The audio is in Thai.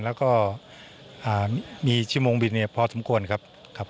แล้วก็มีชั่วโมงบินพอสมควรครับ